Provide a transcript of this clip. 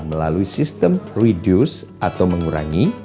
melalui sistem reduce atau mengurangi